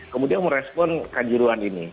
kemudian merespon kanjuruan ini